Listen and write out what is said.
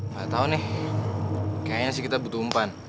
gak tau nih kayaknya sih kita butuh umpan